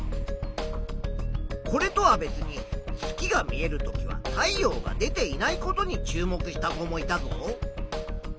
これとは別に月が見えるときは太陽が出ていないことに注目した子もいたぞ。